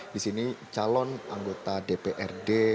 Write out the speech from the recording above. di sini calon anggota dprd